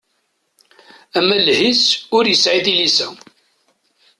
Amaleh-is ur yesɛi tilisa.